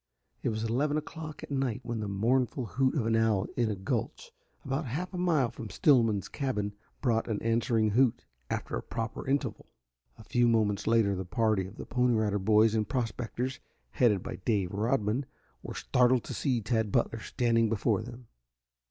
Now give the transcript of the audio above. It was eleven o'clock at night when the mournful hoot of an owl in a gulch about half a mile from Stillman's cabin brought an answering hoot, after a proper interval. A few moments later the party of Pony Riders and prospectors, headed by Dave Rodman, were startled to see Tad Butler standing before them.